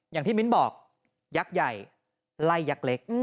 อย่างที่มิ้นบอกยักษ์ใหญ่ไล่ยักษ์เล็ก